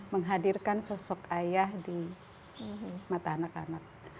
menghadirkan sosok ayah di mata anak anak